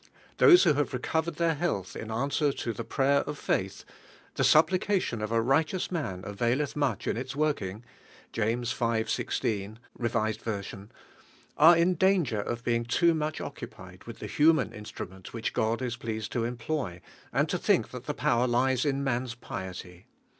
Those who have recovered their health in answer to "the prayer of faith," "the supplication of a righteous man availeth much in its working" (James v. lfi, R.V.), are in danger of be 34 UIVICE HEALING. iug too much occupied with the human instrument which God is pleased to em ploy, and to think that the power lies in man's piety.